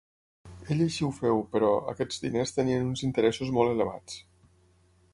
Ell així ho feu, però, aquests diners tenien uns interessos molt elevats.